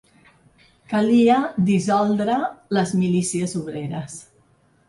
Calia dissoldre les milícies obreres